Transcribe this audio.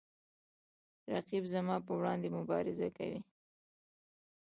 رقیب زما په وړاندې مبارزه کوي